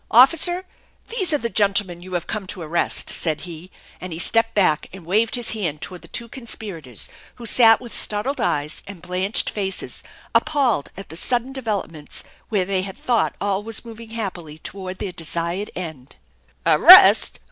Officer, these are the gentlemen you have come to irrest," and he stepped back and waved his hand toward the THE ENCHANTED BARN 193 two conspirators, who sat with startled eyes and blanched faces, appalled at the sudden developments where they had thought all was moving happily toward their desired end. "Arrest!